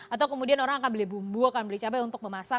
atau kemudian orang akan beli bumbu akan beli cabai untuk memasak